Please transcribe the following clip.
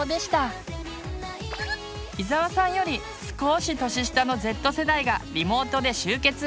伊沢さんよりすこし年下のＺ世代がリモートで集結。